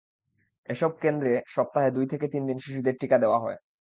এসব কেন্দ্রে সপ্তাহে দুই থেকে তিন দিন শিশুদের টিকা দেওয়া হয়।